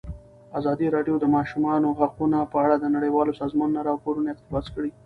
ازادي راډیو د د ماشومانو حقونه په اړه د نړیوالو سازمانونو راپورونه اقتباس کړي.